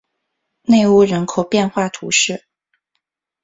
内乌人口变化图示